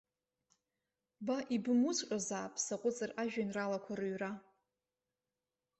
Ба ибымуҵәҟьозаап саҟәыҵыр ажәеинраалақәа рыҩра.